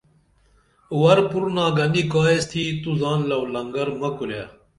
ور پُرنا گنی کائس تِھی تو زان لَولنگر مہ کُرے